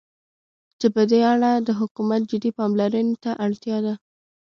چې په دې اړه د حكومت جدي پاملرنې ته اړتيا ده.